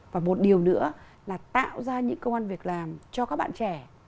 và một điều nữa là tạo ra những công an việc làm cho các bạn trẻ